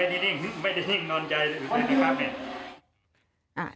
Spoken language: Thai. ไม่ได้นิ่งไม่ได้นิ่งนอนใจนะครับ